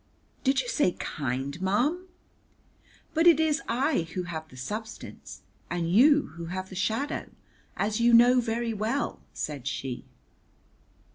"Did you say kind, ma'am?" "But it is I who have the substance and you who have the shadow, as you know very well," said she.